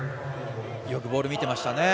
よくボール見てましたね。